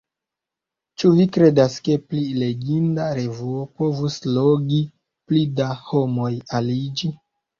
Ĉu vi kredas, ke pli leginda revuo povus logi pli da homoj aliĝi?